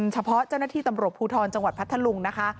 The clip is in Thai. เฉพาะเจ้าหน้าที่ตำรวจภูทรจังหวัดพัทธลุงนะคะ